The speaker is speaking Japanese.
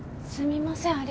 すみません。